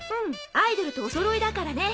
アイドルとお揃いだからね。